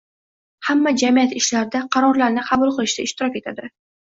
hamma jamiyat ishlarida, qarorlarni qabul qilishda ishtirok etadi